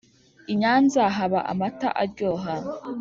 Inyanza haba amata aryoha